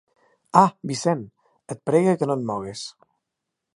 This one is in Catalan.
Ah, Vicent! Et pregue que no et mogues.